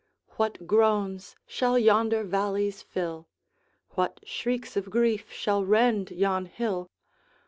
'What groans shall yonder valleys fill! What shrieks of grief shall rend yon hill!